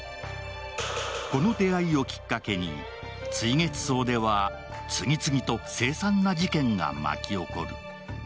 この出会いをきっかけに、墜月荘では次々と凄惨な事件が巻き起こる。